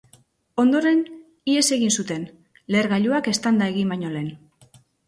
Ondoren, ihes egin zuten, lehergailuak eztanda egin baino lehen.